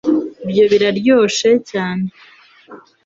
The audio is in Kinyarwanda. ibyo biraryoshe cyane